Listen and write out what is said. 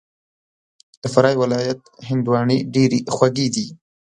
د فراه ولایت هندواڼې ډېري خوږي دي